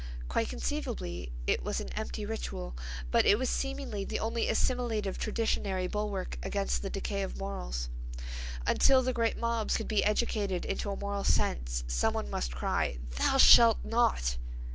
Quite conceivably it was an empty ritual but it was seemingly the only assimilative, traditionary bulwark against the decay of morals. Until the great mobs could be educated into a moral sense some one must cry: "Thou shalt not!"